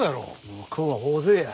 向こうは大勢や。